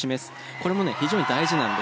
これもね非常に大事なんですよ。